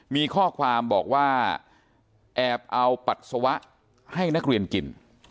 มีข้อความบอกว่าแอบเอาปัสสาวะให้นักเรียนกิน